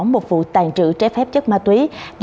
một vụ tàn trữ trái phép chất ma túy